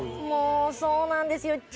もうそうなんですよ。